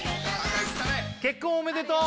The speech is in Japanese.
結婚おめでとう